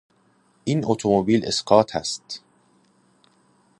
این اتوموبیل اسقاط است